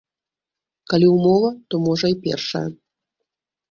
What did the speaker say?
Калі ўмова, то можа й першая.